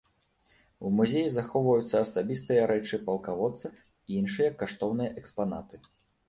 У музеі захоўваюцца асабістыя рэчы палкаводца і іншыя каштоўныя экспанаты.